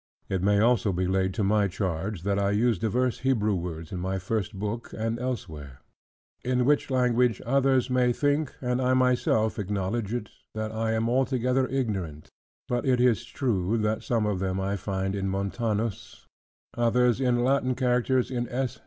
It may also be laid to my charge, that I use divers Hebrew words in my first book, and elsewhere: in which language others may think and I myself acknowledge it, that I am altogether ignorant: but it is true, that some of them I find in Montanus, others in Latin characters in S.